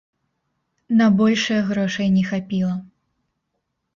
На большае грошай не хапіла.